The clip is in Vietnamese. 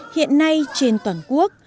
hiện nay trên toàn quốc